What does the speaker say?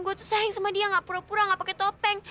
gua tuh sayang sama dia ga pura pura ga pake topeng